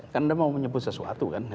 kan anda mau menyebut sesuatu kan